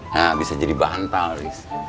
nah bisa jadi bantal riz